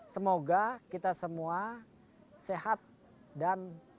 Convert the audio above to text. semoga kita semua sehat dan